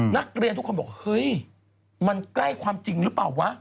นักเรียนทุกคนบอกเฮ้ยมันใกล้ความจริงหรือเปล่าวะ